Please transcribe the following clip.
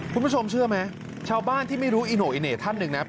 คุณผู้ชมเชื่อไหมชาวบ้านที่ไม่รู้อีโน่อีเหน่ท่านหนึ่งนะ